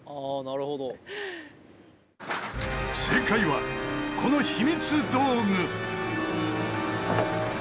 正解はこの秘密道具！